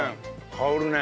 香るね。